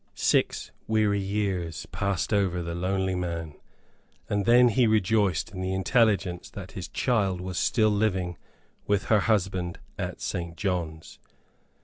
Six weary years passed over the lonely man, and then he rejoiced in the intelligence that his child was still living with her husband at St. John's.